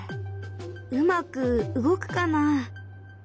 うまく動くかな。